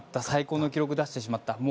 最高の記録を出してしまった。